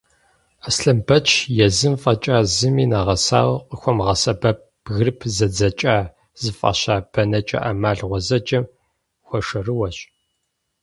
Аслъэнбэч езым фӏэкӏа зыми нэгъэсауэ къыхуэмыгъэсэбэп «бгырыпх зэдзэкӏа» зыфӏаща бэнэкӏэ ӏэмал гъуэзэджэм хуэшэрыуэщ.